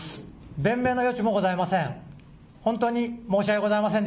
弁明の余地もございません。